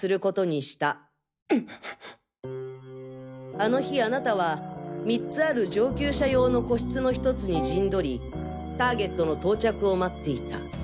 あの日あなたは３つある上級者用の個室の１つに陣取りターゲットの到着を待っていた。